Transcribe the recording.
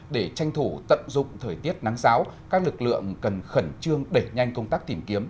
để tranh thủ tận dụng thời tiết nắng giáo các lực lượng cần khẩn trương đẩy nhanh công tác tìm kiếm